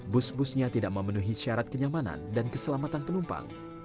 bus busnya tidak memenuhi syarat kenyamanan dan keselamatan penumpang